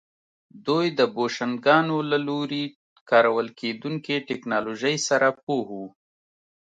دوی د بوشنګانو له لوري کارول کېدونکې ټکنالوژۍ سره پوه وو